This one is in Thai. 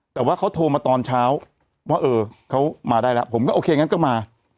แต่ว่าเขาโทรมาตอนเช้าว่าเออเขามาได้แล้วผมก็โอเคงั้นก็มา